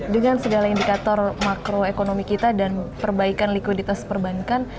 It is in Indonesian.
dengan segala indikator makroekonomi kita dan perbaikan likuiditas perbankan